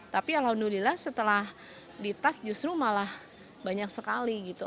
tapi alhamdulillah setelah dites justru malah banyak sekali gitu